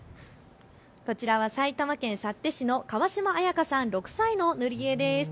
こちらは埼玉県幸手市のかわしまあやかさん、６歳の塗り絵です。